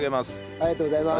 ありがとうございます。